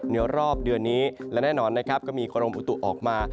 ในรอบเดือนนี้และแน่นอนนะครับก็มีกรมอุตุออกมา